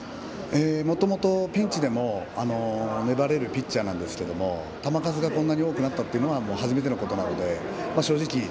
もともとピンチでも粘れるピッチャーなんですが球数がこんなに多くなったのは初めてのことなので正直